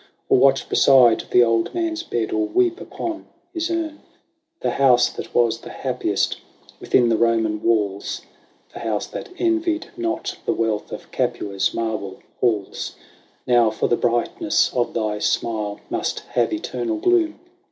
Or watch beside the old man's bed, or weep upon his urn. VIRGINIA. 167 The house that was the happiest within the Roman walls, The house that envied not the wealth of Capua's marble halls. Now, for the brightness of thy smile, must have eternal gloom.